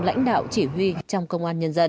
lãnh đạo chỉ huy trong công an nhân dân